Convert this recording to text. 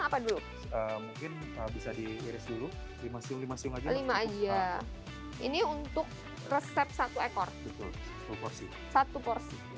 apa dulu mungkin bisa diiris dulu lima siung lima siung aja ini untuk resep satu ekor satu porsi